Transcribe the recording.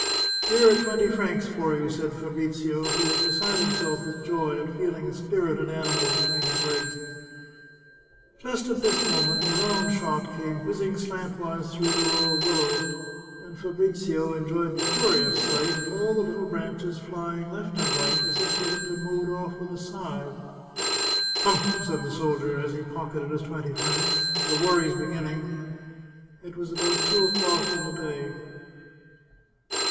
" Here are twenty francs for you," said Fabrizio, who was beside himself with joy at feeling a spirited animal be tween his legs. Just at this moment a round shot came whizzing slant wise through the row of willows, and Fabrizio enjoyed the curious sight of all the little branches flying left and right as if they had been mowed off with a scythe. " Humph !" said the soldier, as he pocketed his twenty francs, " the worry's beginning." It was about two o'clock in the day.